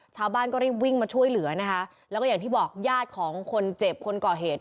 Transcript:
ชาวบ้านก็รีบวิ่งมาช่วยเหลือนะคะแล้วก็อย่างที่บอกญาติของคนเจ็บคนก่อเหตุ